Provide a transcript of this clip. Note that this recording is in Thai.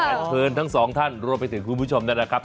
เชิญทั้งสองท่านรวมไปเจอกับคุณผู้ชมได้นะครับ